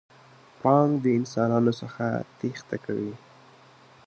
پړانګ د انسانانو څخه تېښته کوي.